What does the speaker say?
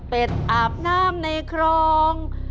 เป็นอาบน้ำในครอง